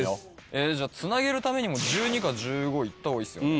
じゃつなげるためにも１２か１５いった方がいいっすよね。